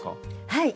はい。